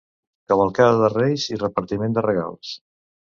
Cavalcada de Reis i repartiment de regals.